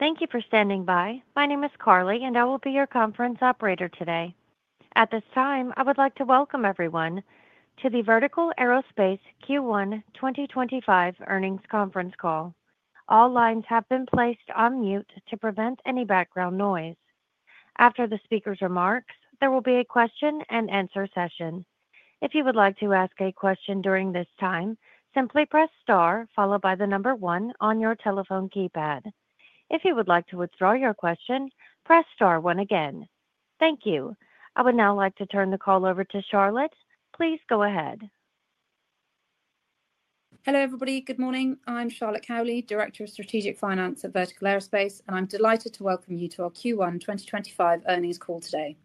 Thank you for standing by. My name is Carly, and I will be your conference operator today. At this time, I would like to welcome everyone to the Vertical Aerospace Q1 2025 earnings conference call. All lines have been placed on mute to prevent any background noise. After the speaker's remarks, there will be a question-and-answer session. If you would like to ask a question during this time, simply press star followed by the number one on your telephone keypad. If you would like to withdraw your question, press star one again. Thank you. I would now like to turn the call over to Charlotte. Please go ahead. Hello, everybody. Good morning. I'm Charlotte Cowley, Director of Strategic Finance at Vertical Aerospace, and I'm delighted to welcome you to our Q1 2025 earnings call today.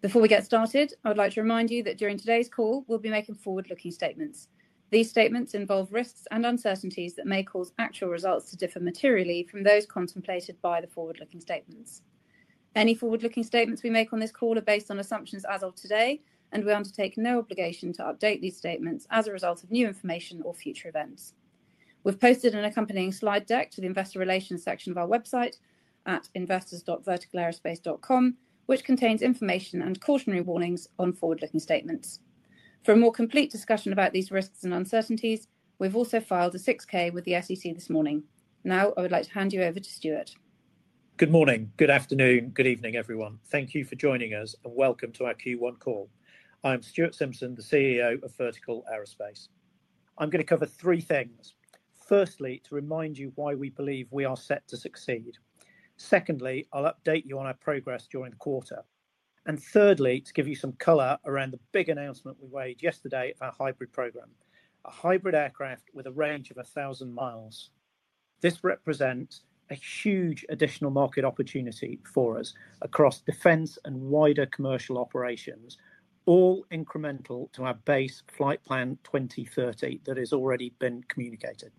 Before we get started, I would like to remind you that during today's call, we'll be making forward-looking statements. These statements involve risks and uncertainties that may cause actual results to differ materially from those contemplated by the forward-looking statements. Any forward-looking statements we make on this call are based on assumptions as of today, and we undertake no obligation to update these statements as a result of new information or future events. We've posted an accompanying slide deck to the Investor Relations section of our website at investors.verticalaerospace.com, which contains information and cautionary warnings on forward-looking statements. For a more complete discussion about these risks and uncertainties, we've also filed a 6K with the SEC this morning. Now, I would like to hand you over to Stuart. Good morning, good afternoon, good evening, everyone. Thank you for joining us, and welcome to our Q1 call. I'm Stuart Simpson, the CEO of Vertical Aerospace. I'm going to cover three things. Firstly, to remind you why we believe we are set to succeed. Secondly, I'll update you on our progress during the quarter. Thirdly, to give you some color around the big announcement we made yesterday of our hybrid program, a hybrid aircraft with a range of 1,000 mi. This represents a huge additional market opportunity for us across defense and wider commercial operations, all incremental to our base flight plan 2030 that has already been communicated.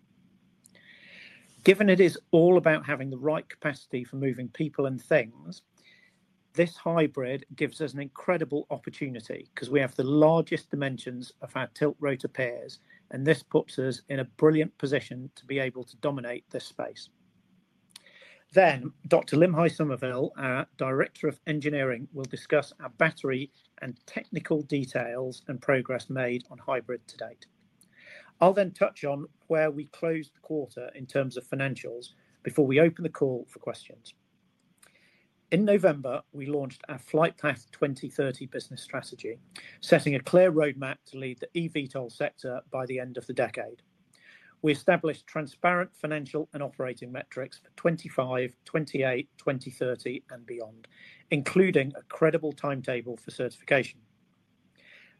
Given it is all about having the right capacity for moving people and things, this hybrid gives us an incredible opportunity because we have the largest dimensions of our tilt rotor pairs, and this puts us in a brilliant position to be able to dominate this space. Dr. Limhi Somerville, our Director of Engineering, will discuss our battery and technical details and progress made on hybrid to date. I'll then touch on where we closed the quarter in terms of financials before we open the call for questions. In November, we launched our Flight Path 2030 business strategy, setting a clear roadmap to lead the eVTOL sector by the end of the decade. We established transparent financial and operating metrics for 2025, 2028, 2030, and beyond, including a credible timetable for certification.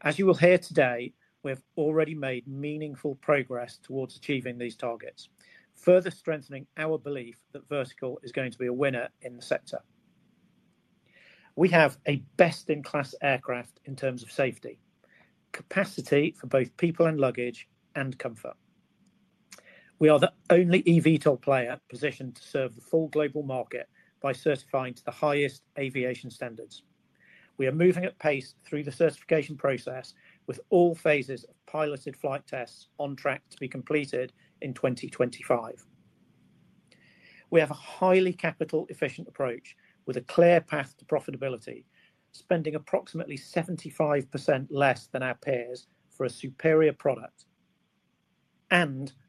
As you will hear today, we have already made meaningful progress towards achieving these targets, further strengthening our belief that Vertical is going to be a winner in the sector. We have a best-in-class aircraft in terms of safety, capacity for both people and luggage, and comfort. We are the only eVTOL player positioned to serve the full global market by certifying to the highest aviation standards. We are moving at pace through the certification process, with all phases of piloted flight tests on track to be completed in 2025. We have a highly capital-efficient approach with a clear path to profitability, spending approximately 75% less than our peers for a superior product.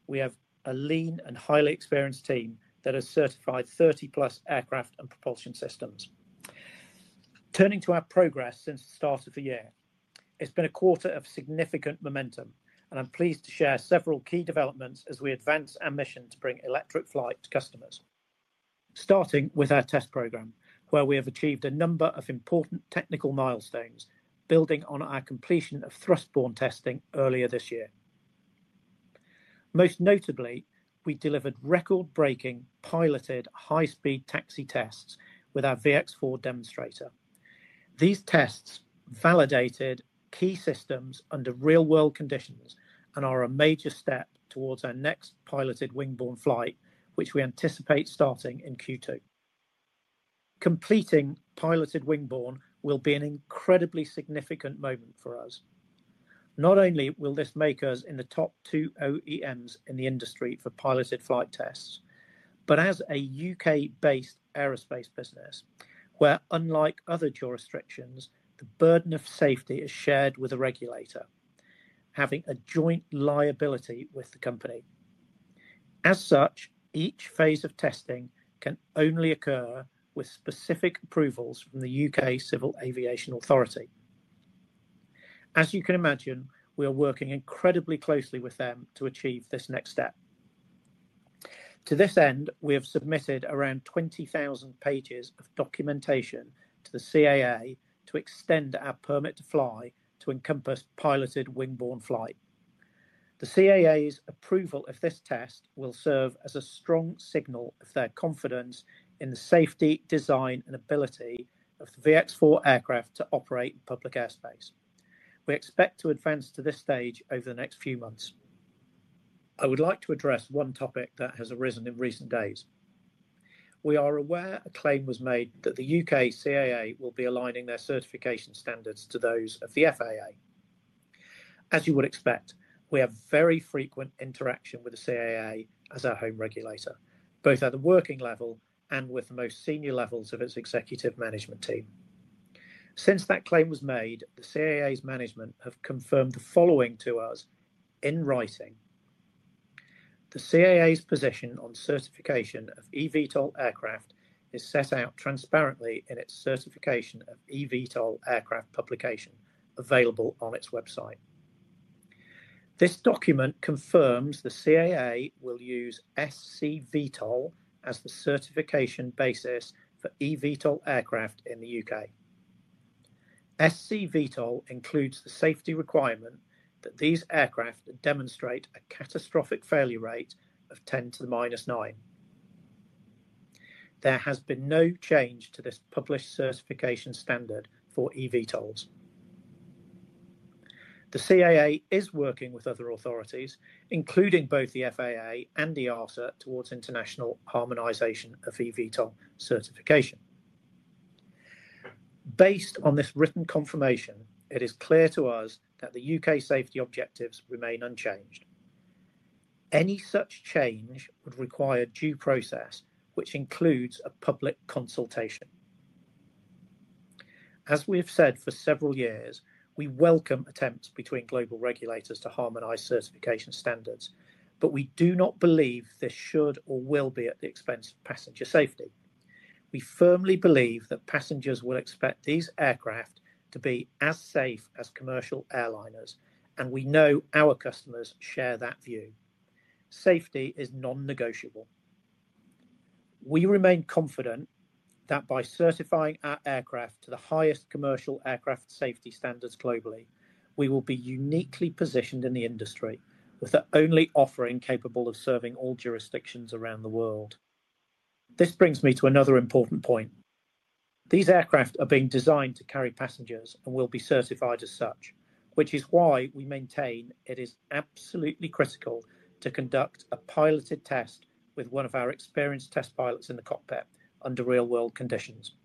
We have a lean and highly experienced team that has certified 30+ aircraft and propulsion systems. Turning to our progress since the start of the year, it's been a quarter of significant momentum, and I'm pleased to share several key developments as we advance our mission to bring electric flight to customers, starting with our test program, where we have achieved a number of important technical milestones, building on our completion of thrust-borne testing earlier this year. Most notably, we delivered record-breaking piloted high-speed taxi tests with our VX4 demonstrator. These tests validated key systems under real-world conditions and are a major step towards our next piloted wing-borne flight, which we anticipate starting in Q2. Completing piloted wing-borne will be an incredibly significant moment for us. Not only will this make us in the top two OEMs in the industry for piloted flight tests, but as a U.K.-based aerospace business, where, unlike other jurisdictions, the burden of safety is shared with a regulator, having a joint liability with the company. As such, each phase of testing can only occur with specific approvals from the U.K. Civil Aviation Authority. As you can imagine, we are working incredibly closely with them to achieve this next step. To this end, we have submitted around 20,000 pages of documentation to the CAA to extend our permit to fly to encompass piloted wing-borne flight. The CAA's approval of this test will serve as a strong signal of their confidence in the safety, design, and ability of the VX4 aircraft to operate in public airspace. We expect to advance to this stage over the next few months. I would like to address one topic that has arisen in recent days. We are aware a claim was made that the U.K. CAA will be aligning their certification standards to those of the FAA. As you would expect, we have very frequent interaction with the CAA as our home regulator, both at the working level and with the most senior levels of its executive management team. Since that claim was made, the CAA's management have confirmed the following to us in writing. The CAA's position on certification of eVTOL aircraft is set out transparently in its Certification of eVTOL Aircraft publication available on its website. This document confirms the CAA will use SC VTOL as the certification basis for eVTOL aircraft in the U.K. SC VTOL includes the safety requirement that these aircraft demonstrate a catastrophic failure rate of 10 to the minus 9. There has been no change to this published certification standard for eVTOLs. The CAA is working with other authorities, including both the FAA and EASA towards international harmonization of eVTOL certification. Based on this written confirmation, it is clear to us that the U.K. safety objectives remain unchanged. Any such change would require due process, which includes a public consultation. As we have said for several years, we welcome attempts between global regulators to harmonize certification standards, but we do not believe this should or will be at the expense of passenger safety. We firmiy believe that passengers will expect these aircraft to be as safe as commercial airliners, and we know our customers share that view. Safety is non-negotiable. We remain confident that by certifying our aircraft to the highest commercial aircraft safety standards globally, we will be uniquely positioned in the industry with the only offering capable of serving all jurisdictions around the world. This brings me to another important point. These aircraft are being designed to carry passengers and will be certified as such, which is why we maintain it is absolutely critical to conduct a piloted test with one of our experienced test pilots in the cockpit under real-world conditions.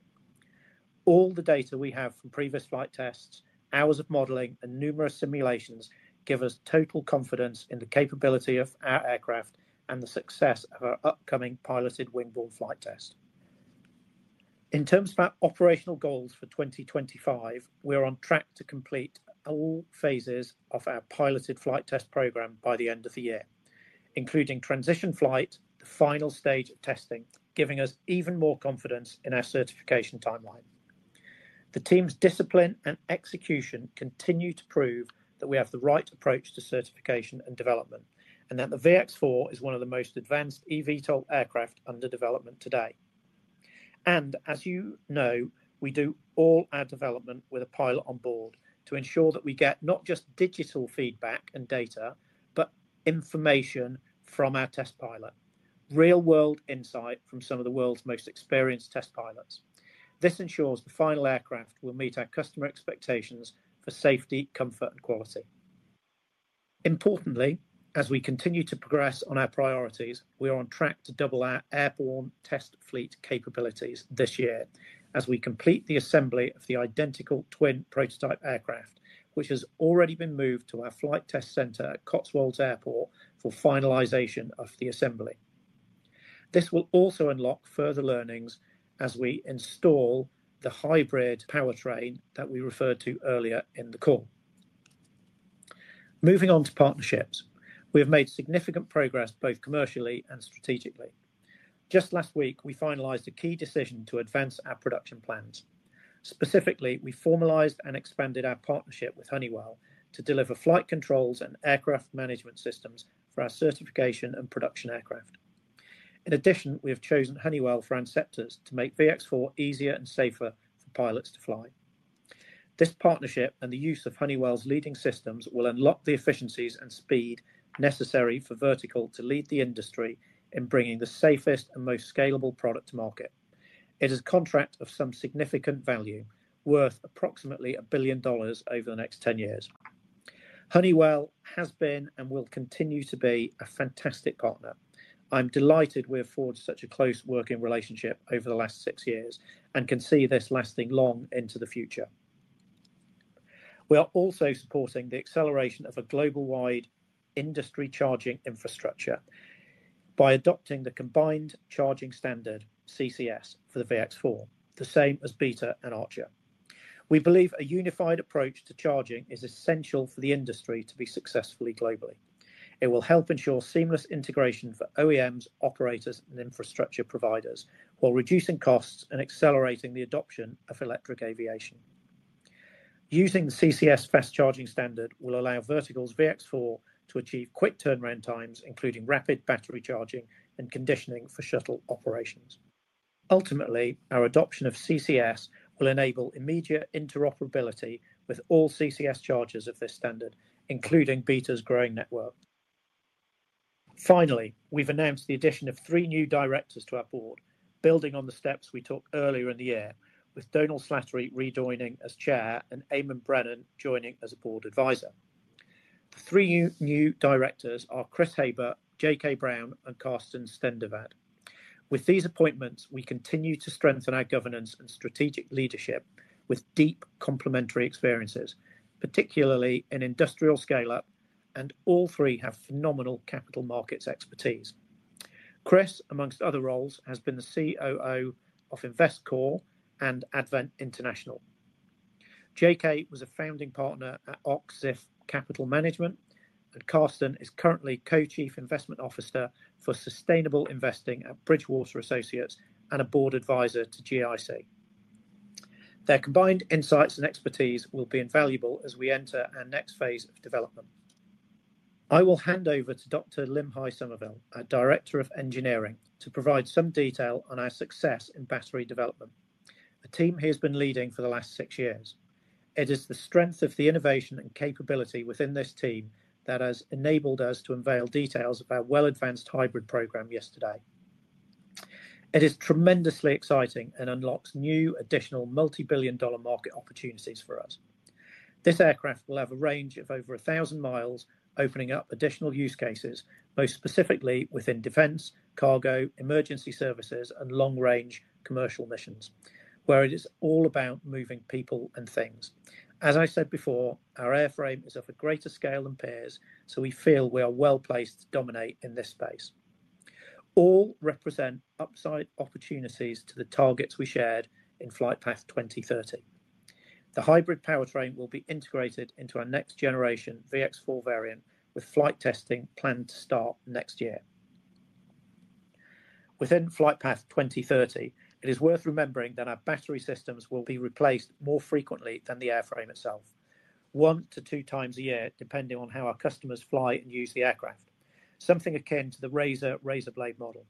All the data we have from previous flight tests, hours of modeling, and numerous simulations give us total confidence in the capability of our aircraft and the success of our upcoming piloted wing-borne flight test. In terms of our operational goals for 2025, we are on track to complete all phases of our piloted flight test program by the end of the year, including transition flight, the final stage of testing, giving us even more confidence in our certification timeline. The team's discipline and execution continue to prove that we have the right approach to certification and development and that the VX4 is one of the most advanced eVTOL aircraft under development today. As you know, we do all our development with a pilot on board to ensure that we get not just digital feedback and data, but information from our test pilot, real-world insight from some of the world's most experienced test pilots. This ensures the final aircraft will meet our customer expectations for safety, comfort, and quality. Importantly, as we continue to progress on our priorities, we are on track to double our airborne test fleet capabilities this year as we complete the assembly of the identical twin prototype aircraft, which has already been moved to our flight test center at Cotswold Airport for finalization of the assembly. This will also unlock further learnings as we install the hybrid powertrain that we referred to earlier in the call. Moving on to partnerships, we have made significant progress both commercially and strategically. Just last week, we finalized a key decision to advance our production plans. Specifically, we formalized and expanded our partnership with Honeywell to deliver flight controls and aircraft management systems for our certification and production aircraft. In addition, we have chosen Honeywell for our inceptors to make VX4 easier and safer for pilots to fly. This partnership and the use of Honeywell's leading systems will unlock the efficiencies and speed necessary for Vertical to lead the industry in bringing the safest and most scalable product to market. It is a contract of some significant value, worth approximately $1 billion over the next 10 years. Honeywell has been and will continue to be a fantastic partner. I'm delighted we afford such a close working relationship over the last six years and can see this lasting long into the future. We are also supporting the acceleration of a global-wide industry charging infrastructure by adopting the combined charging standard, CCS, for the VX4, the same as Beta and Archer. We believe a unified approach to charging is essential for the industry to be successful globally. It will help ensure seamiess integration for OEMs, operators, and infrastructure providers while reducing costs and accelerating the adoption of electric aviation. Using the CCS fast charging standard will allow Vertical's VX4 to achieve quick turnaround times, including rapid battery charging and conditioning for shuttle operations. Ultimately, our adoption of CCS will enable immediate interoperability with all CCS chargers of this standard, including Beta's growing network. Finally, we've announced the addition of three new directors to our board, building on the steps we took earlier in the year, with Domhnal Slattery rejoining as Chair and Eamon Brennan joining as a board advisor. The three new directors are Kris Haber, J.K. Brown, and Carsten Stendevad. With these appointments, we continue to strengthen our governance and strategic leadership with deep complementary experiences, particularly in industrial scale-up, and all three have phenomenal capital markets expertise. Kris, amongst other roles, has been the COO of Investcorp and Advent International. J.K. Was a founding partner at Oaktree Capital Management, and Carsten is currently co-chief investment officer for sustainable investing at Bridgewater Associates and a board advisor to GIC. Their combined insights and expertise will be invaluable as we enter our next phase of development. I will hand over to Dr. Limhi Somerville, our Director of Engineering, to provide some detail on our success in battery development, a team he has been leading for the last six years. It is the strength of the innovation and capability within this team that has enabled us to unveil details of our well-advanced hybrid program yesterday. It is tremendously exciting and unlocks new additional multi-billion dollar market opportunities for us. This aircraft will have a range of over 1,000 mi opening up additional use cases, most specifically within defense, cargo, emergency services, and long-range commercial missions, where it is all about moving people and things. As I said before, our airframe is of a greater scale than peers, so we feel we are well placed to dominate in this space. All represent upside opportunities to the targets we shared in Flight Path 2030. The hybrid powertrain will be integrated into our next generation VX4 variant with flight testing planned to start next year. Within Flight Path 2030, it is worth remembering that our battery systems will be replaced more frequently than the airframe itself, one to two times a year, depending on how our customers fly and use the aircraft, something akin to the Razor Razor Blade model.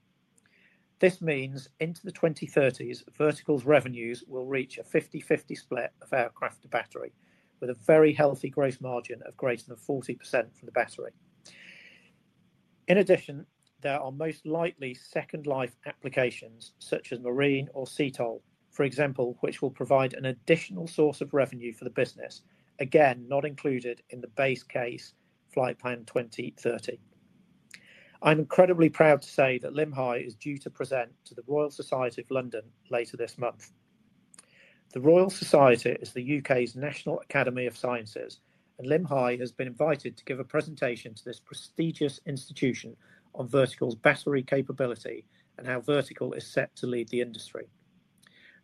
This means into the 2030s, Vertical's revenues will reach a 50-50 split of aircraft to battery, with a very healthy gross margin of greater than 40% from the battery. In addition, there are most likely second life applications such as marine or sea tollcoasrwo, for example, which will provide an additional source of revenue for the business, again, not included in the base case Flight Plan 2030. I'm incredibly proud to say that Limhi is due to present to the Royal Society of London later this month. The Royal Society is the U.K.'s National Academy of Sciences, and Limhi has been invited to give a presentation to this prestigious institution on Vertical's battery capability and how Vertical is set to lead the industry.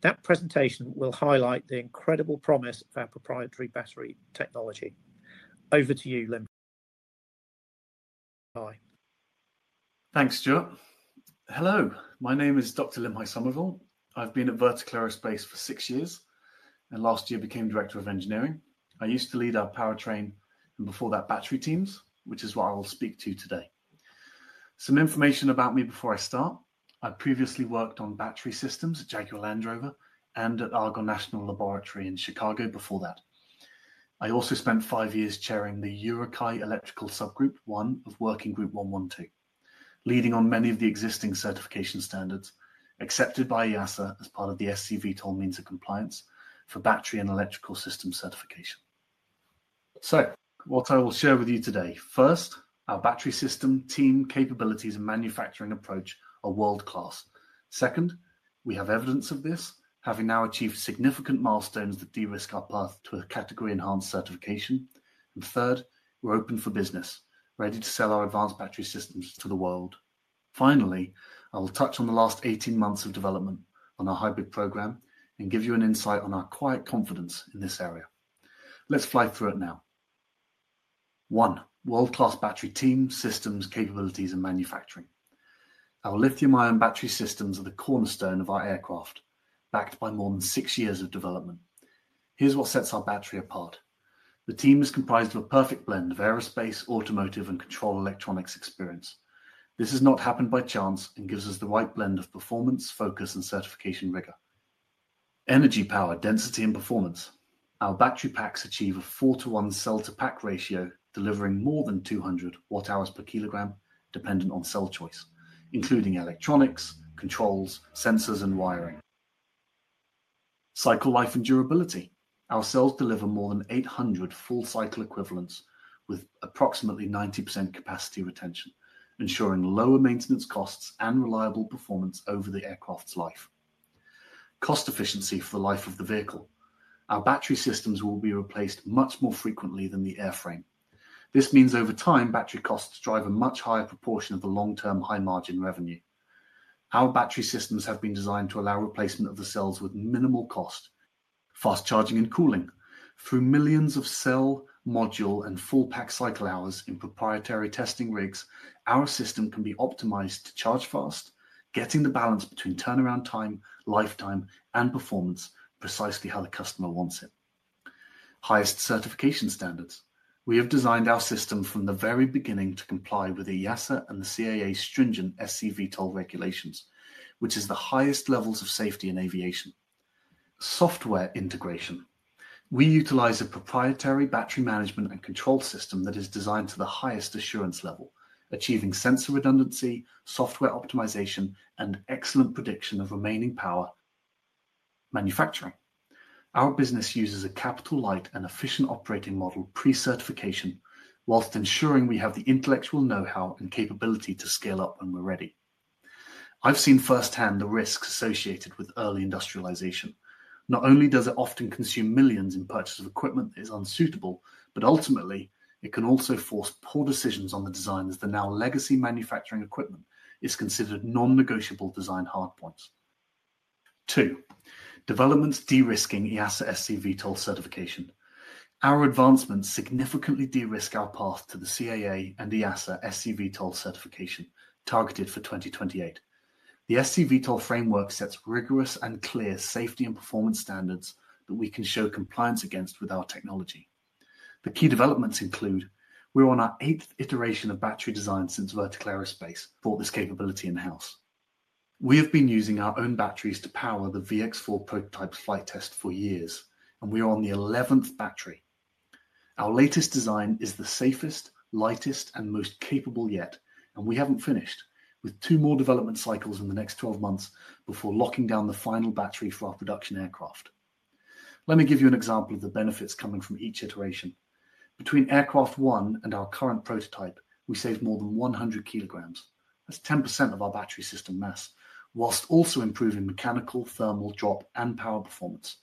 That presentation will highlight the incredible promise of our proprietary battery technology. Over to you, Limhi. Thanks, Stuart. Hello. My name is Dr. Limhi Somerville. I've been at Vertical Aerospace for six years, and last year became Director of Engineering. I used to lead our powertrain and, before that, battery teams, which is what I will speak to today. Some information about me before I start. I previously worked on battery systems at Jaguar Land Rover and at Argonne National Laboratory in Chicago before that. I also spent five years chairing the EUROCAE Electrical Subgroup, one of WG-112, leading on many of the existing certification standards accepted by EASA as part of the SC VTOL means of compliance for battery and electrical system certification. What I will share with you today: first, our battery system team capabilities and manufacturing approach are world-class. Second, we have evidence of this, having now achieved significant milestones that de-risk our path to a category-enhanced certification. Third, we're open for business, ready to sell our advanced battery systems to the world. Finally, I will touch on the last 18 months of development on our hybrid program and give you an insight on our quiet confidence in this area. Let's fly through it now. One, world-class battery team systems, capabilities, and manufacturing. Our lithium-ion battery systems are the cornerstone of our aircraft, backed by more than six years of development. Here's what sets our battery apart. The team is comprised of a perfect blend of aerospace, automotive, and control electronics experience. This has not happened by chance and gives us the right blend of performance, focus, and certification rigor. Energy power, density, and performance. Our battery packs achieve a four-to-one cell-to-pack ratio, delivering more than 200 watt-hours per kilogram, dependent on cell choice, including electronics, controls, sensors, and wiring. Cycle life and durability. Our cells deliver more than 800 full-cycle equivalents with approximately 90% capacity retention, ensuring lower maintenance costs and reliable performance over the aircraft's life. Cost efficiency for the life of the vehicle. Our battery systems will be replaced much more frequently than the airframe. This means over time, battery costs drive a much higher proportion of the long-term high-margin revenue. Our battery systems have been designed to allow replacement of the cells with minimal cost. Fast charging and cooling. Through millions of cell, module, and full-pack cycle hours in proprietary testing rigs, our system can be optimized to charge fast, getting the balance between turnaround time, lifetime, and performance precisely how the customer wants it. Highest certification standards. We have designed our system from the very beginning to comply with EASA and the CAA-stringent SC VTOL regulations, which is the highest levels of safety in aviation. Software integration. We utilize a proprietary battery management and control system that is designed to the highest assurance level, achieving sensor redundancy, software optimization, and excellent prediction of remaining power manufacturing. Our business uses a capital-light and efficient operating model pre-certification, whilst ensuring we have the intellectual know-how and capability to scale up when we're ready. I've seen firsthand the risks associated with early industrialization. Not only does it often consume millions in purchase of equipment that is unsuitable, but ultimately, it can also force poor decisions on the design as the now legacy manufacturing equipment is considered non-negotiable design hard points. Two, developments de-risking EASA SC VTOL certification. Our advancements significantly de-risk our path to the CAA and EASA SC VTOL certification targeted for 2028. The SC VTOL framework sets rigorous and clear safety and performance standards that we can show compliance against with our technology. The key developments include we're on our eighth iteration of battery design since Vertical Aerospace brought this capability in-house. We have been using our own batteries to power the VX4 prototype flight test for years, and we are on the 11th battery. Our latest design is the safest, lightest, and most capable yet, and we haven't finished with two more development cycles in the next 12 months before locking down the final battery for our production aircraft. Let me give you an example of the benefits coming from each iteration. Between aircraft one and our current prototype, we saved more than 100 kg. That's 10% of our battery system mass, whilst also improving mechanical, thermal, drop, and power performance.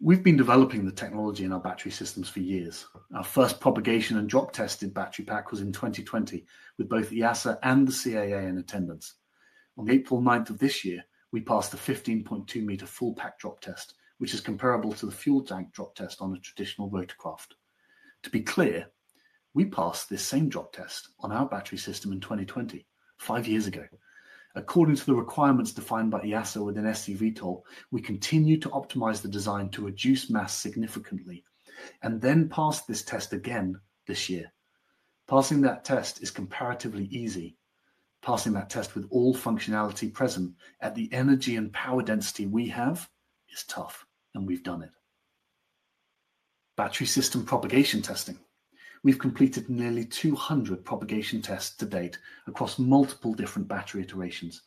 We've been developing the technology in our battery systems for years. Our first propagation and drop tested battery pack was in 2020 with both EASA and the CAA in attendance. On April 9th of this year, we passed a 15.2 m full-pack drop test, which is comparable to the fuel tank drop test on a traditional rotorcraft. To be clear, we passed this same drop test on our battery system in 2020, five years ago. According to the requirements defined by EASA within SC VTOL, we continue to optimize the design to reduce mass significantly and then passed this test again this year. Passing that test is comparatively easy. Passing that test with all functionality present at the energy and power density we have is tough, and we've done it. Battery system propagation testing. We've completed nearly 200 propagation tests to date across multiple different battery iterations,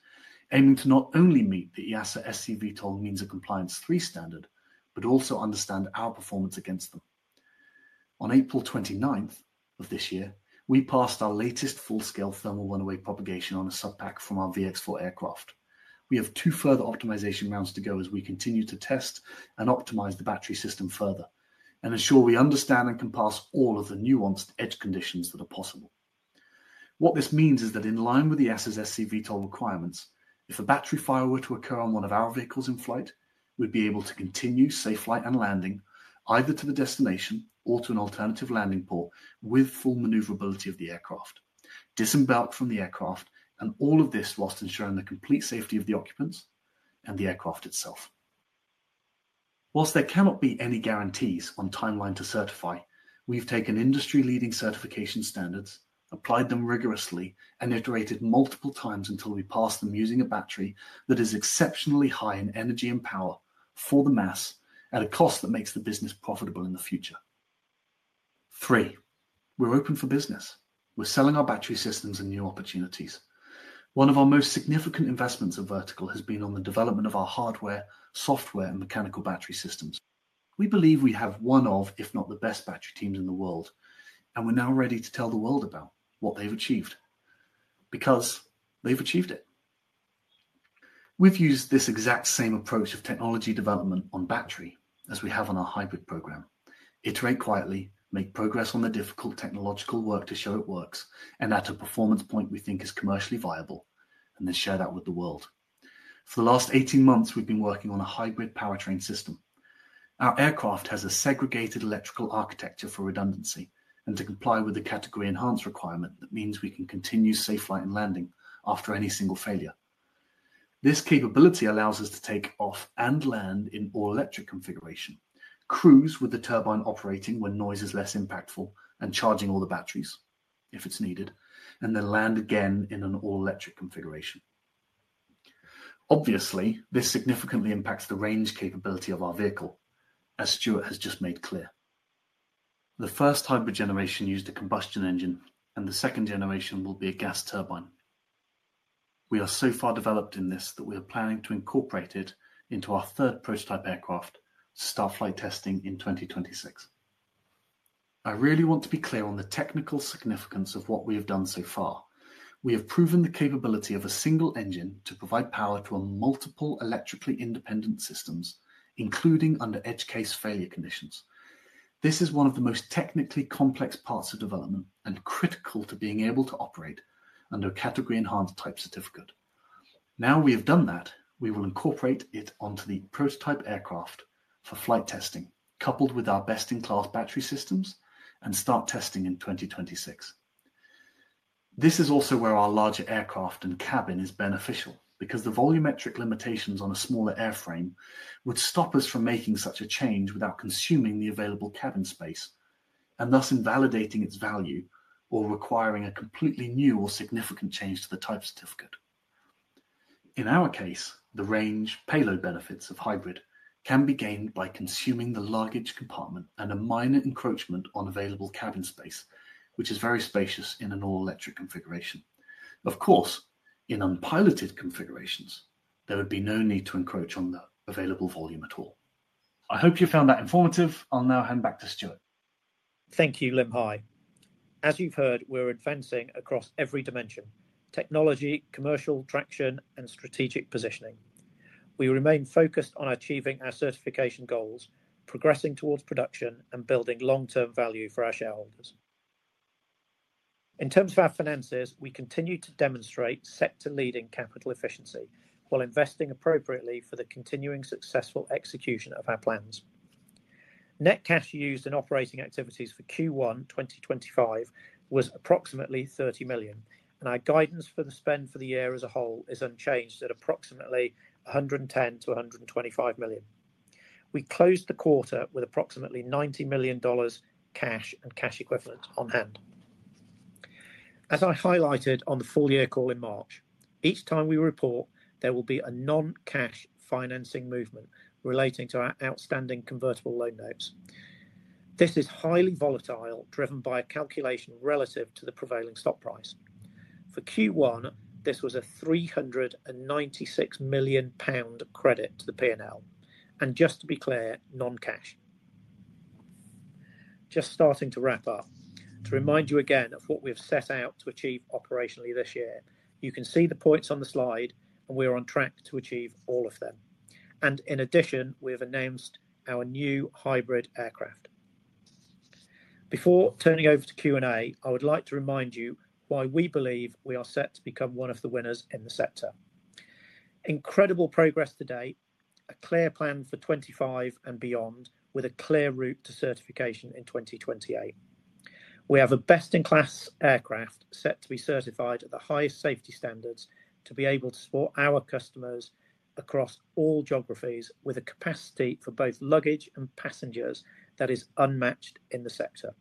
aiming to not only meet the EASA SC VTOL means of compliance 3 standard, but also understand our performance against them. On April 29th of this year, we passed our latest full-scale thermal runaway propagation on a subpack from our VX4 aircraft. We have two further optimization rounds to go as we continue to test and optimize the battery system further and ensure we understand and can pass all of the nuanced edge conditions that are possible. What this means is that in line with EASA's SC VTOL requirements, if a battery fire were to occur on one of our vehicles in flight, we'd be able to continue safe flight and landing either to the destination or to an alternative landing port with full maneuverability of the aircraft, disembark from the aircraft, and all of this whilst ensuring the complete safety of the occupants and the aircraft itself. Whilst there cannot be any guarantees on timeline to certify, we've taken industry-leading certification standards, applied them rigorously, and iterated multiple times until we passed them using a battery that is exceptionally high in energy and power for the mass at a cost that makes the business profitable in the future. Three, we're open for business. We're selling our battery systems and new opportunities. One of our most significant investments at Vertical has been on the development of our hardware, software, and mechanical battery systems. We believe we have one of, if not the best battery teams in the world, and we're now ready to tell the world about what they've achieved because they've achieved it. We've used this exact same approach of technology development on battery as we have on our hybrid program. Iterate quietly, make progress on the difficult technological work to show it works, and at a performance point we think is commercially viable, and then share that with the world. For the last 18 months, we've been working on a hybrid powertrain system. Our aircraft has a segregated electrical architecture for redundancy and to comply with the category-enhanced requirement that means we can continue safe flight and landing after any single failure. This capability allows us to take off and land in all-electric configuration, cruise with the turbine operating when noise is less impactful, and charging all the batteries if it's needed, and then land again in an all-electric configuration. Obviously, this significantly impacts the range capability of our vehicle, as Stuart has just made clear. The first hybrid generation used a combustion engine, and the second generation will be a gas turbine. We are so far developed in this that we are planning to incorporate it into our third prototype aircraft to start flight testing in 2026. I really want to be clear on the technical significance of what we have done so far. We have proven the capability of a single engine to provide power to multiple electrically independent systems, including under edge case failure conditions. This is one of the most technically complex parts of development and critical to being able to operate under a category-enhanced type certificate. Now we have done that, we will incorporate it onto the prototype aircraft for flight testing, coupled with our best-in-class battery systems, and start testing in 2026. This is also where our larger aircraft and cabin is beneficial because the volumetric limitations on a smaller airframe would stop us from making such a change without consuming the available cabin space and thus invalidating its value or requiring a completely new or significant change to the type certificate. In our case, the range payload benefits of hybrid can be gained by consuming the luggage compartment and a minor encroachment on available cabin space, which is very spacious in an all-electric configuration. Of course, in unpiloted configurations, there would be no need to encroach on the available volume at all. I hope you found that informative. I'll now hand back to Stuart. Thank you, Limhi. As you've heard, we're advancing across every dimension: technology, commercial traction, and strategic positioning. We remain focused on achieving our certification goals, progressing towards production, and building long-term value for our shareholders. In terms of our finances, we continue to demonstrate sector-leading capital efficiency while investing appropriately for the continuing successful execution of our plans. Net cash used in operating activities for Q1 2025 was approximately $30 million, and our guidance for the spend for the year as a whole is unchanged at approximately $110-$125 million. We closed the quarter with approximately $90 million cash and cash equivalents on hand. As I highlighted on the full year call in March, each time we report, there will be a non-cash financing movement relating to our outstanding convertible loan notes. This is highly volatile, driven by a calculation relative to the prevailing stock price. For Q1, this was a 396 million pound credit to the P&L, and just to be clear, non-cash. Just starting to wrap up, to remind you again of what we have set out to achieve operationally this year. You can see the points on the slide, and we are on track to achieve all of them. In addition, we have announced our new hybrid aircraft. Before turning over to Q&A, I would like to remind you why we believe we are set to become one of the winners in the sector. Incredible progress to date, a clear plan for 2025 and beyond, with a clear route to certification in 2028. We have a best-in-class aircraft set to be certified at the highest safety standards to be able to support our customers across all geographies with a capacity for both luggage and passengers that is unmatched in the sector.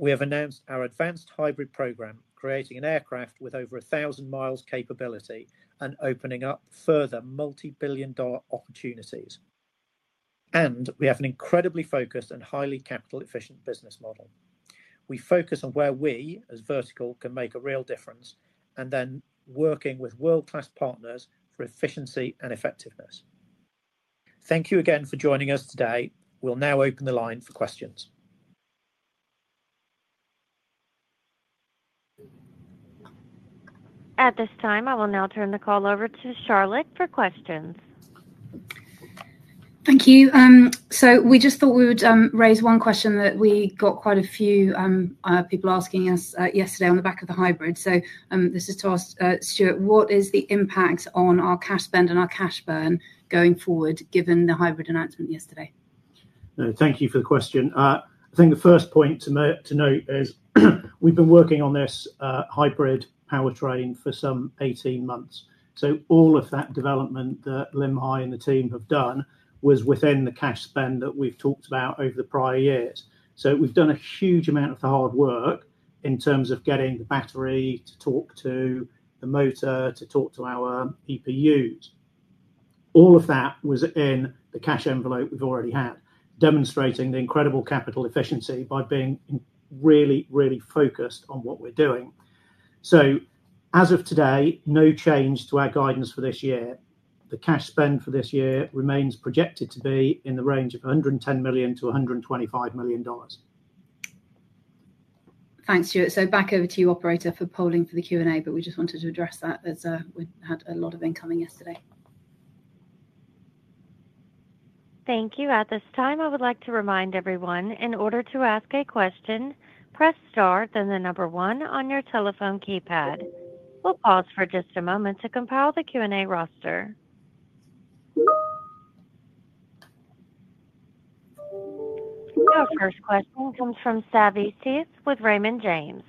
We have announced our advanced hybrid program, creating an aircraft with over 1,000 mi capability and opening up further multi-billion dollar opportunities. We have an incredibly focused and highly capital-efficient business model. We focus on where we as Vertical can make a real difference and then working with world-class partners for efficiency and effectiveness. Thank you again for joining us today. We will now open the line for questions. At this time, I will now turn the call over to Charlotte for questions. Thank you. We just thought we would raise one question that we got quite a few people asking us yesterday on the back of the hybrid. This is to ask Stuart, what is the impact on our cash spend and our cash burn going forward given the hybrid announcement yesterday? Thank you for the question. I think the first point to note is we have been working on this hybrid powertrain for some 18 months. All of that development that Limhi and the team have done was within the cash spend that we've talked about over the prior years. We've done a huge amount of the hard work in terms of getting the battery to talk to the motor to talk to our EPUs. All of that was in the cash envelope we've already had, demonstrating the incredible capital efficiency by being really, really focused on what we're doing. As of today, no change to our guidance for this year. The cash spend for this year remains projected to be in the range of $110 million-$125 million. Thanks, Stuart. Back over to you, operator, for polling for the Q&A, but we just wanted to address that as we had a lot of incoming yesterday. Thank you. At this time, I would like to remind everyone, in order to ask a question, press Star, then the number one on your telephone keypad. We'll pause for just a moment to compile the Q&A roster. Our first question comes from Savanthi Syth with Raymond James.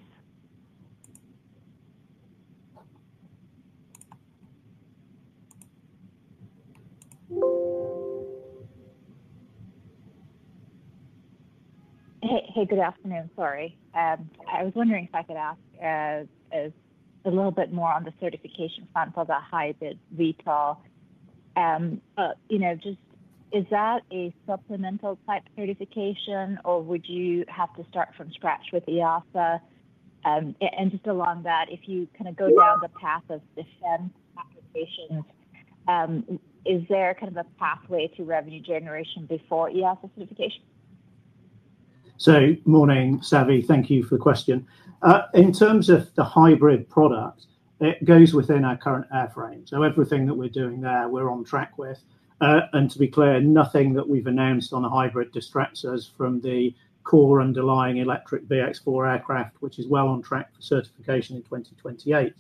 Hey, good afternoon. Sorry. I was wondering if I could ask a little bit more on the certification front for the hybrid VTOL. Just is that a supplemental type certification, or would you have to start from scratch with EASA? And just along that, if you kind of go down the path of defense applications, is there kind of a pathway to revenue generation before EASA certification? So morning, Savi. Thank you for the question. In terms of the hybrid product, it goes within our current airframe. So everything that we're doing there, we're on track with. To be clear, nothing that we've announced on the hybrid distracts us from the core underlying electric VX4 aircraft, which is well on track for certification in 2028.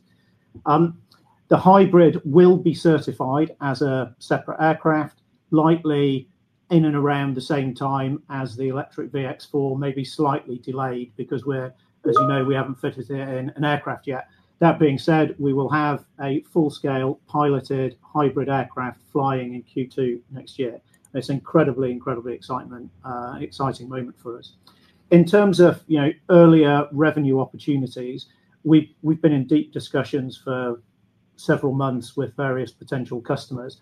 The hybrid will be certified as a separate aircraft, likely in and around the same time as the electric VX4, maybe slightly delayed because, as you know, we haven't fitted it in an aircraft yet. That being said, we will have a full-scale piloted hybrid aircraft flying in Q2 next year. It's an incredibly, incredibly exciting moment for us. In terms of earlier revenue opportunities, we've been in deep discussions for several months with various potential customers.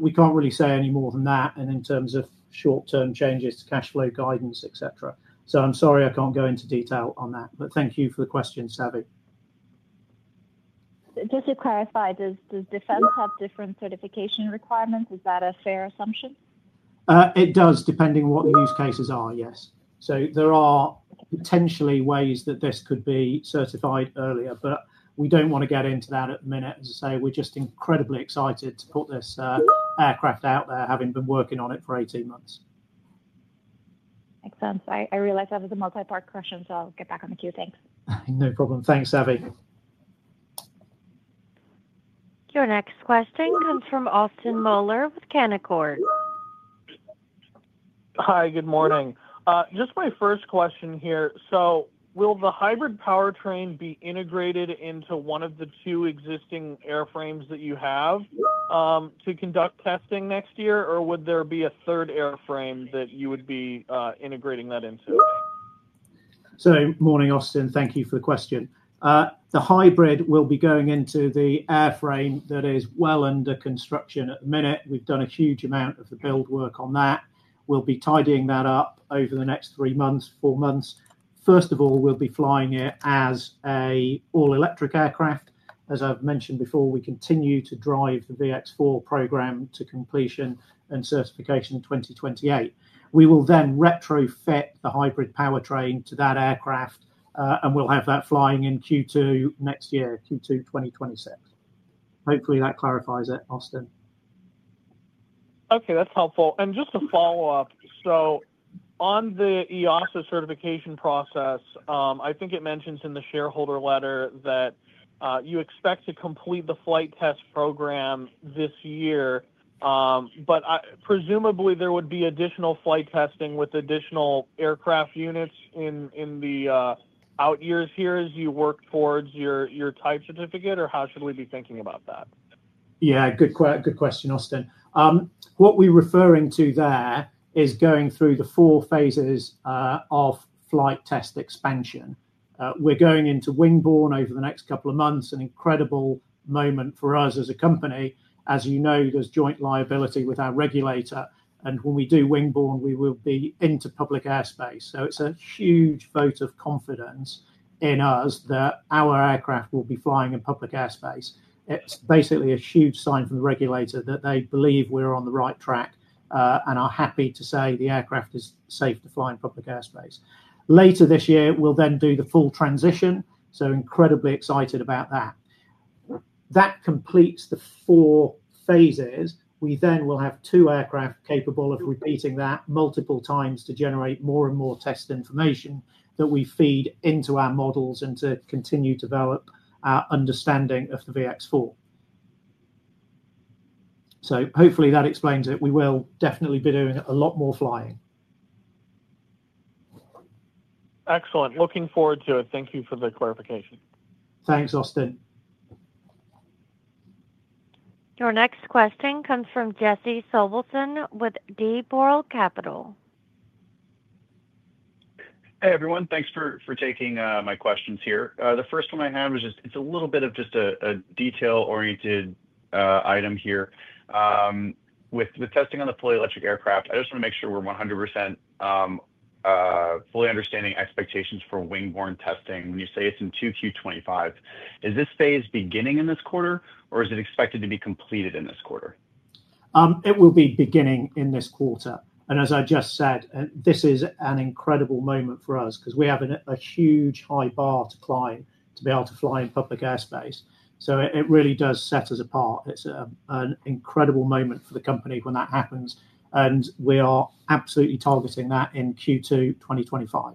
We can't really say any more than that in terms of short-term changes to cash flow guidance, etc. I'm sorry I can't go into detail on that, but thank you for the question, Savi. Just to clarify, does defense have different certification requirements? Is that a fair assumption? It does, depending on what the use cases are, yes. There are potentially ways that this could be certified earlier, but we don't want to get into that at the minute. As I say, we're just incredibly excited to put this aircraft out there, having been working on it for 18 months Makes sense. I realized that was a multi-part question, so I'll get back on the queue. Thanks. No problem. Thanks, Savi. Your next question comes from Austin Moeller with Canaccord. Hi, good morning. Just my first question here. Will the hybrid powertrain be integrated into one of the two existing airframes that you have to conduct testing next year, or would there be a third airframe that you would be integrating that into? Morning, Austin. Thank you for the question. The hybrid will be going into the airframe that is well under construction at the minute. We've done a huge amount of the build work on that. We'll be tidying that up over the next three months, four months. First of all, we'll be flying it as an all-electric aircraft. As I've mentioned before, we continue to drive the VX4 program to completion and certification in 2028. We will then retrofit the hybrid powertrain to that aircraft, and we'll have that flying in Q2 next year, Q2 2026. Hopefully, that clarifies it, Austin. Okay, that's helpful. Just to follow up, on the EASA certification process, I think it mentions in the shareholder letter that you expect to complete the flight test program this year, but presumably there would be additional flight testing with additional aircraft units in the out years here as you work towards your type certificate, or how should we be thinking about that? Yeah, good question, Austin. What we are referring to there is going through the four phases of flight test expansion. We are going into wingborne over the next couple of months, an incredible moment for us as a company. As you know, there is joint liability with our regulator, and when we do wingborne, we will be into public airspace. It is a huge vote of confidence in us that our aircraft will be flying in public airspace. It's basically a huge sign from the regulator that they believe we're on the right track and are happy to say the aircraft is safe to fly in public airspace. Later this year, we'll then do the full transition, so incredibly excited about that. That completes the four phases. We then will have two aircraft capable of repeating that multiple times to generate more and more test information that we feed into our models and to continue to develop our understanding of the VX4. So hopefully that explains it. We will definitely be doing a lot more flying. Excellent. Looking forward to it. Thank you for the clarification. Thanks, Austin. Your next question comes from Jesse Sobelson with D.Boral Capital. Hey, everyone. Thanks for taking my questions here. The first one I have is just it's a little bit of just a detail-oriented item here. With testing on the fully electric aircraft, I just want to make sure we're 100% fully understanding expectations for wingborne testing. When you say it's in Q2 2025, is this phase beginning in this quarter, or is it expected to be completed in this quarter? It will be beginning in this quarter. As I just said, this is an incredible moment for us because we have a huge high bar to climb to be able to fly in public airspace. It really does set us apart. It's an incredible moment for the company when that happens, and we are absolutely targeting that in Q2 2025.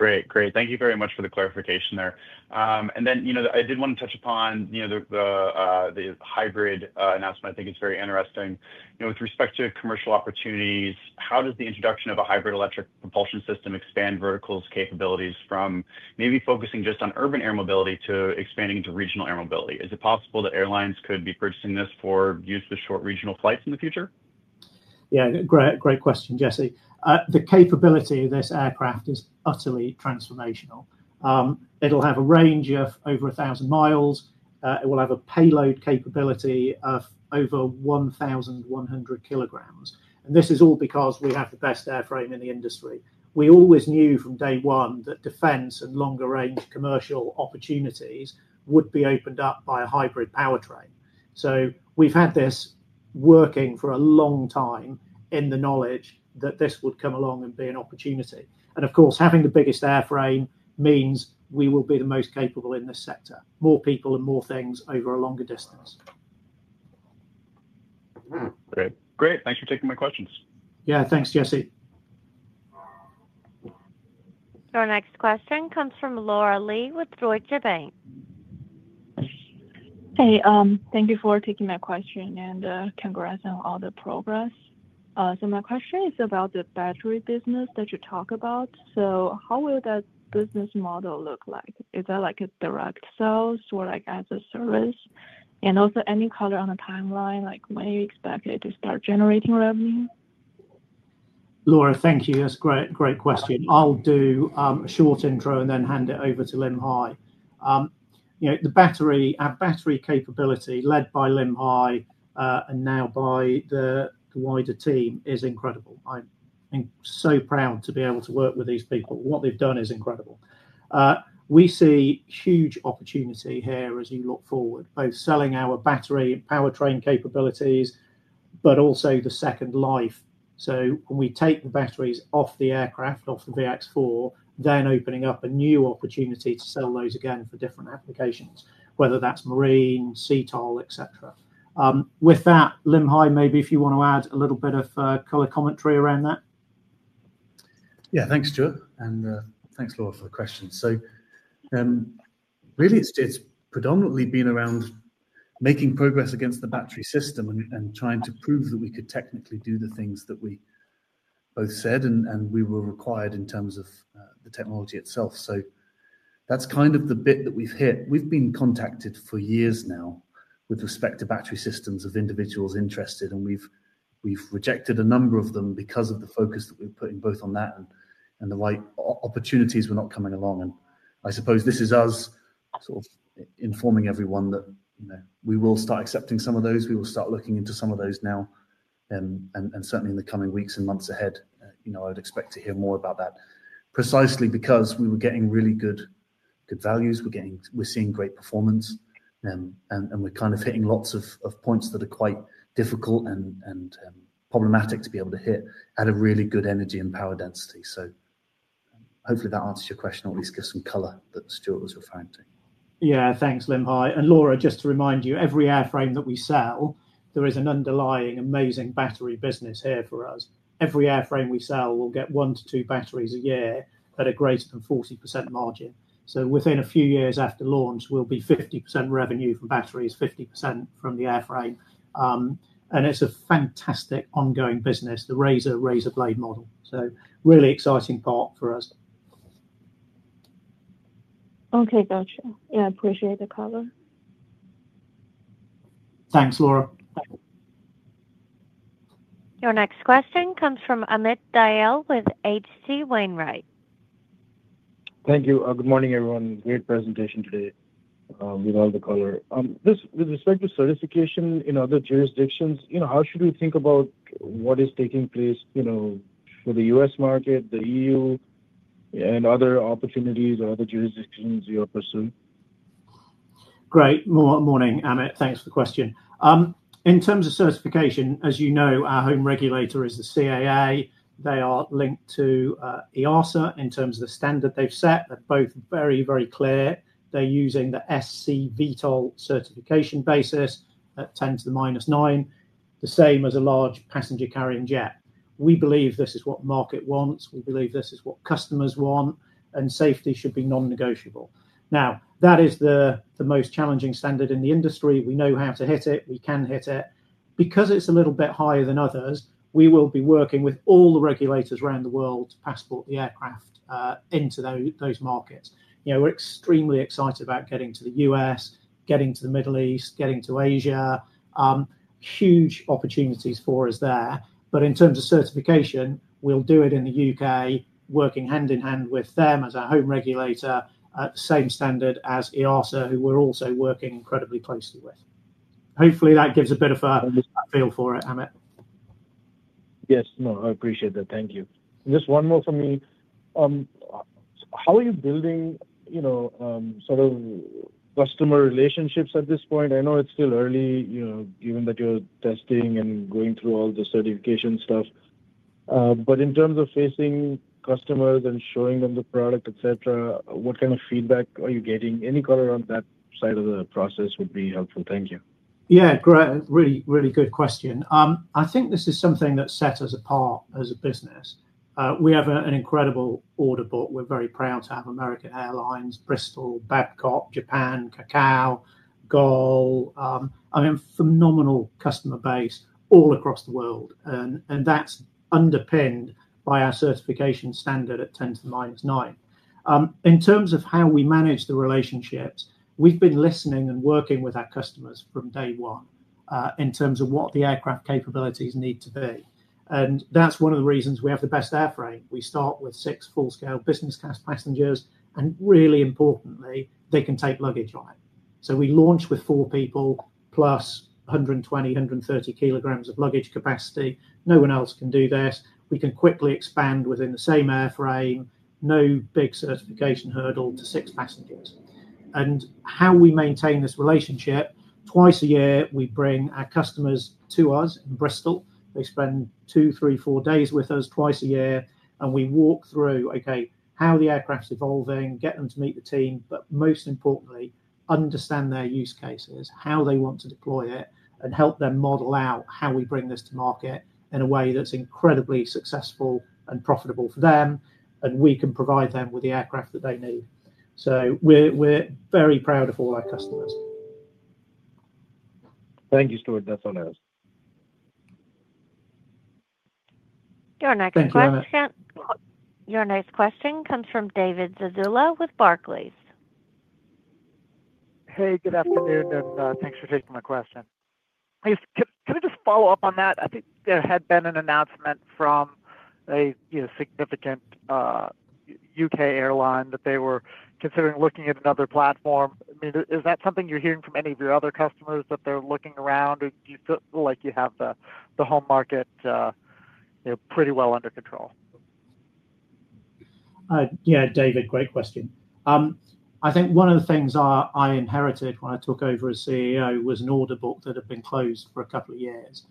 Great. Great. Thank you very much for the clarification there. I did want to touch upon the hybrid announcement. I think it's very interesting. With respect to commercial opportunities, how does the introduction of a hybrid electric propulsion system expand Vertical's capabilities from maybe focusing just on urban air mobility to expanding into regional air mobility? Is it possible that airlines could be purchasing this for use with short regional flights in the future? Yeah, great question, Jesse. The capability of this aircraft is utterly transformational. It'll have a range of over 1,000 mi. It will have a payload capability of over 1,100 kg. This is all because we have the best airframe in the industry. We always knew from day one that defense and longer-range commercial opportunities would be opened up by a hybrid powertrain. We have had this working for a long time in the knowledge that this would come along and be an opportunity. Of course, having the biggest airframe means we will be the most capable in this sector. More people and more things over a longer distance. Great. Great. Thanks for taking my questions. Yeah, thanks, Jesse. Our next question comes from Laura Lee with Deutsche Bank. Hey, thank you for taking my question and congrats on all the progress. My question is about the battery business that you talk about. How will that business model look like? Is that like a direct sales or like as a service? Also, any color on the timeline, like when you expect it to start generating revenue? Laura, thank you. That is a great question. I will do a short intro and then hand it over to Limhi. The battery capability led by Limhi and now by the wider team is incredible. I am so proud to be able to work with these people. What they've done is incredible. We see huge opportunity here as you look forward, both selling our battery and powertrain capabilities, but also the second life. When we take the batteries off the aircraft, off the VX4, then opening up a new opportunity to sell those again for different applications, whether that's marine, sea tile, etc. With that, Limhi, maybe if you want to add a little bit of color commentary around that. Yeah, thanks, Stuart. And thanks, Laura, for the question. Really, it's predominantly been around making progress against the battery system and trying to prove that we could technically do the things that we both said and we were required in terms of the technology itself. That's kind of the bit that we've hit. We've been contacted for years now with respect to battery systems of individuals interested, and we've rejected a number of them because of the focus that we've put in both on that and the opportunities were not coming along. I suppose this is us sort of informing everyone that we will start accepting some of those. We will start looking into some of those now, and certainly in the coming weeks and months ahead, I would expect to hear more about that precisely because we were getting really good values. We're seeing great performance, and we're kind of hitting lots of points that are quite difficult and problematic to be able to hit at a really good energy and power density. Hopefully that answers your question, or at least gives some color that Stuart was referring to. Yeah, thanks, Limh. Laura, just to remind you, every airframe that we sell, there is an underlying amazing battery business here for us. Every airframe we sell, we will get one to two batteries a year at a greater than 40% margin. Within a few years after launch, we will be 50% revenue from batteries, 50% from the airframe. It is a fantastic ongoing business, the Razor Razor Blade model. Really exciting part for us. Okay, gotcha. I appreciate the color. Thanks, Laura. Your next question comes from Amit Dayal with HC Wainwright. Thank you. Good morning, everyone. Great presentation today with all the color. With respect to certification in other jurisdictions, how should we think about what is taking place for the U.S. market, the EU, and other opportunities or other jurisdictions you are pursuing? Great. Morning, Amit. Thanks for the question. In terms of certification, as you know, our home regulator is the CAA. They are linked to EASA in terms of the standard they've set. They're both very, very clear. They're using the SC VTOL certification basis at 10^-9, the same as a large passenger carrying jet. We believe this is what market wants. We believe this is what customers want, and safety should be non-negotiable. Now, that is the most challenging standard in the industry. We know how to hit it. We can hit it. Because it's a little bit higher than others, we will be working with all the regulators around the world to passport the aircraft into those markets. We're extremely excited about getting to the U.S., getting to the Middle East, getting to Asia. Huge opportunities for us there. But in terms of certification, we'll do it in the U.K., working hand in hand with them as our home regulator, same standard as EASA, who we're also working incredibly closely with. Hopefully, that gives a bit of a feel for it, Amit. Yes, no, I appreciate that. Thank you. Just one more from me. How are you building sort of customer relationships at this point? I know it's still early, given that you're testing and going through all the certification stuff. In terms of facing customers and showing them the product, etc., what kind of feedback are you getting? Any color on that side of the process would be helpful. Thank you. Yeah, great. Really, really good question. I think this is something that sets us apart as a business. We have an incredible order book. We're very proud to have American Airlines, Bristow, Babcock, Japan Airlines, Cathay Pacific, GOL. I mean, phenomenal customer base all across the world. That is underpinned by our certification standard at 10^-9. In terms of how we manage the relationships, we have been listening and working with our customers from day one in terms of what the aircraft capabilities need to be. That is one of the reasons we have the best airframe. We start with six full-scale business class passengers, and really importantly, they can take luggage on it. We launch with four people plus 120-130 kg of luggage capacity. No one else can do this. We can quickly expand within the same airframe, no big certification hurdle to six passengers. How we maintain this relationship, twice a year, we bring our customers to us in Bristol. They spend two, three, four days with us twice a year, and we walk through, okay, how the aircraft's evolving, get them to meet the team, but most importantly, understand their use cases, how they want to deploy it, and help them model out how we bring this to market in a way that's incredibly successful and profitable for them, and we can provide them with the aircraft that they need. We are very proud of all our customers. Thank you, Stuart. That's all I have. Your next question comes from David Zazula with Barclays. Hey, good afternoon, and thanks for taking my question. Can I just follow up on that? I think there had been an announcement from a significant U.K. airline that they were considering looking at another platform. I mean, is that something you're hearing from any of your other customers that they're looking around, or do you feel like you have the home market pretty well under control? Yeah, David, great question. I think one of the things I inherited when I took over as CEO was an order book that had been closed for a couple of years.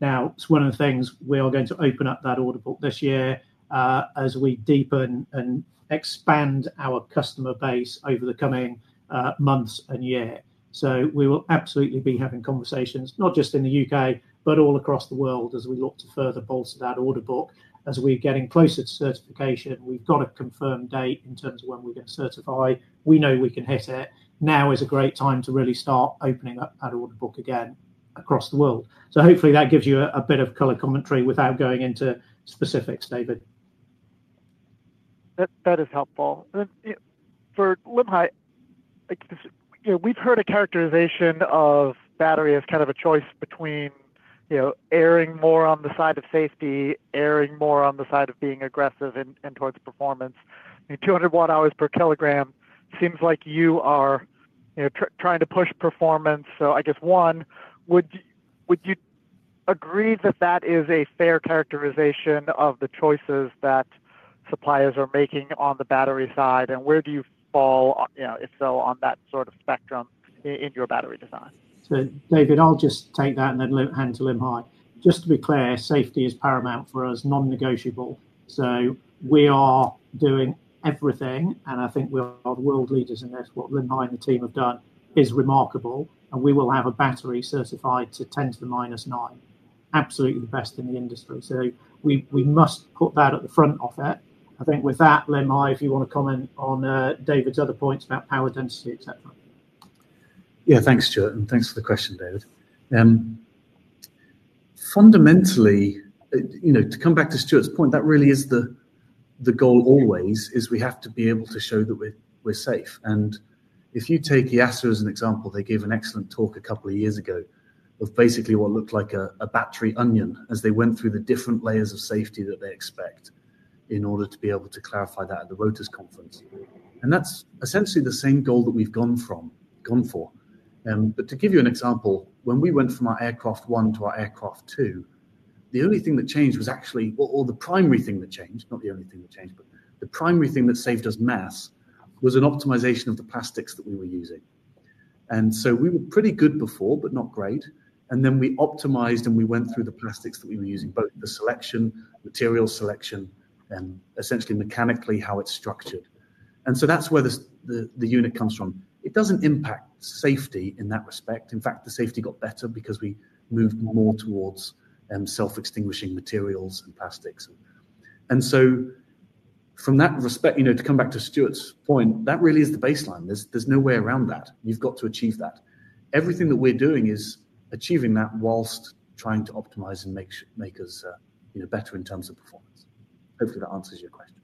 Now, it's one of the things we are going to open up that order book this year as we deepen and expand our customer base over the coming months and year. We will absolutely be having conversations, not just in the U.K., but all across the world as we look to further bolster that order book. As we're getting closer to certification, we've got a confirmed date in terms of when we're going to certify. We know we can hit it. Now is a great time to really start opening up that order book again across the world. Hopefully that gives you a bit of color commentary without going into specifics, David. That is helpful. For Limhi, we've heard a characterization of battery as kind of a choice between airing more on the side of safety, airing more on the side of being aggressive and towards performance. I mean, 200 watt-hours per kilogram seems like you are trying to push performance. I guess, one, would you agree that that is a fair characterization of the choices that suppliers are making on the battery side, and where do you fall, if so, on that sort of spectrum in your battery design? David, I'll just take that and then hand to Limhi. Just to be clear, safety is paramount for us, non-negotiable. We are doing everything, and I think we are the world leaders in this. What Limhi and the team have done is remarkable, and we will have a battery certified to 10^-9. Absolutely the best in the industry. We must put that at the front of it. I think with that, Limhi, if you want to comment on David's other points about power density, etc. Yeah, thanks, Stuart, and thanks for the question, David. Fundamentally, to come back to Stuart's point, that really is the goal always, is we have to be able to show that we're safe. If you take EASA as an example, they gave an excellent talk a couple of years ago of basically what looked like a battery onion as they went through the different layers of safety that they expect in order to be able to clarify that at the Rotors Conference. That is essentially the same goal that we have gone for. To give you an example, when we went from our Aircraft 1 to our Aircraft 2, the only thing that changed was actually, or the primary thing that changed, not the only thing that changed, but the primary thing that saved us mass was an optimization of the plastics that we were using. We were pretty good before, but not great. Then we optimized and we went through the plastics that we were using, both the selection, material selection, and essentially mechanically how it is structured. That is where the unit comes from. It does not impact safety in that respect. In fact, the safety got better because we moved more towards self-extinguishing materials and plastics. From that respect, to come back to Stuart's point, that really is the baseline. There is no way around that. You have to achieve that. Everything that we are doing is achieving that while trying to optimize and make us better in terms of performance. Hopefully, that answers your question.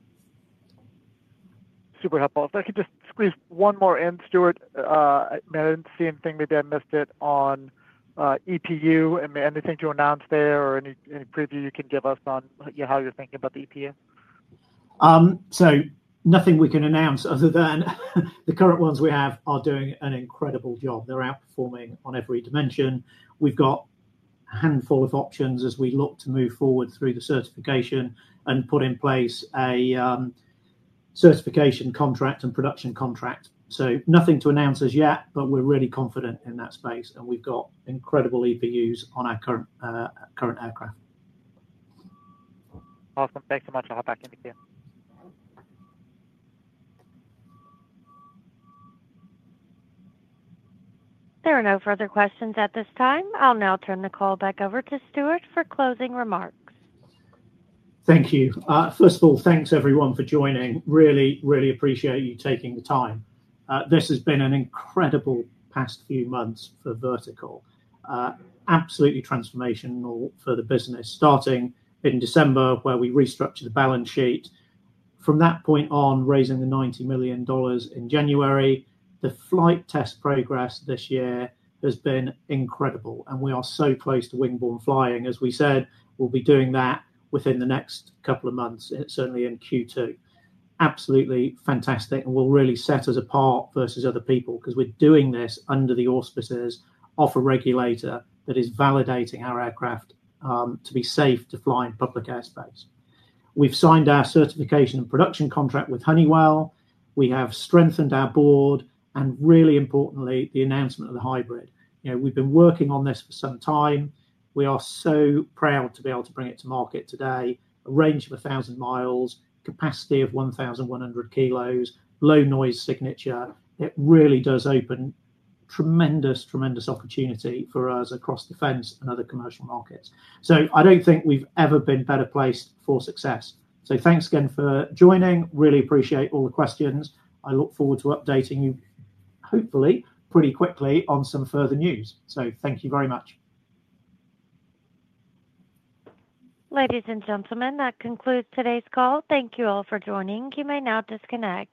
Super helpful. If I could just squeeze one more in, Stuart. I did not see anything, maybe I missed it on EPU. Anything to announce there or any preview you can give us on how you are thinking about the EPU? Nothing we can announce other than the current ones we have are doing an incredible job. They are outperforming on every dimension. We've got a handful of options as we look to move forward through the certification and put in place a certification contract and production contract. Nothing to announce as yet, but we're really confident in that space, and we've got incredible EPUs on our current aircraft. Awesome. Thanks so much. I'll hop back in with you. There are no further questions at this time. I'll now turn the call back over to Stuart for closing remarks. Thank you. First of all, thanks everyone for joining. Really, really appreciate you taking the time. This has been an incredible past few months for Vertical. Absolutely transformational for the business, starting in December where we restructured the balance sheet. From that point on, raising the $90 million in January. The flight test progress this year has been incredible, and we are so close to wing-borne flying, as we said. We'll be doing that within the next couple of months, certainly in Q2. Absolutely fantastic, and will really set us apart versus other people because we're doing this under the auspices of a regulator that is validating our aircraft to be safe to fly in public airspace. We've signed our certification and production contract with Honeywell. We have strengthened our board and, really importantly, the announcement of the hybrid. We've been working on this for some time. We are so proud to be able to bring it to market today. A range of 1,000 mi, capacity of 1,100 kg, low noise signature. It really does open tremendous, tremendous opportunity for us across defense and other commercial markets. I don't think we've ever been better placed for success. Thanks again for joining. Really appreciate all the questions. I look forward to updating you, hopefully pretty quickly, on some further news. Thank you very much. Ladies and gentlemen, that concludes today's call. Thank you all for joining. You may now disconnect.